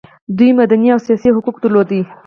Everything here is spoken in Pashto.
دوی مدني او سیاسي حقوق درلودل.